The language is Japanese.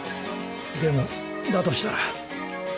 でもだとしたら。